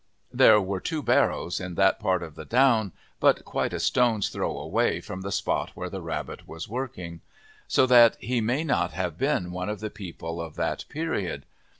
There were two barrows in that part of the down, but quite a stone's throw away from the spot where the rabbit was working, so that he may not have been one of the people of that period.